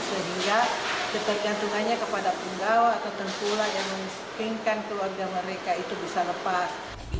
sehingga tergantungannya kepada penggawa atau tempura yang menginginkan keluarga mereka itu bisa lepas